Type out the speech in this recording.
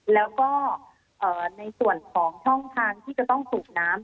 แล้วก็ในส่วนของช่องทางที่จะต้องสูบน้ำ